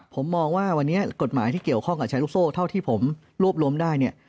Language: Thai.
ผมมองว่าวันนี้กฎหมายที่เกี่ยวข้องกับแชร์ลูกโซ่เท่าที่ผมรวบรวมได้เนี่ย